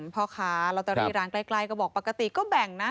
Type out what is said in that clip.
พ่อค่าเราแต่ได้ร้านใกล้เขาบอกก็ปกติแบ่งนะ